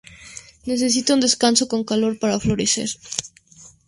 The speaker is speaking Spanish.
Necesita un descanso con calor para florecer.